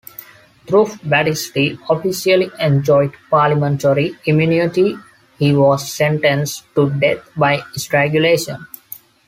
Though Battisti officially enjoyed parliamentary immunity, he was sentenced to death by strangulation.